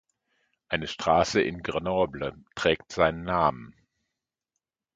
Eine Straße in Grenoble trägt seinen Namen.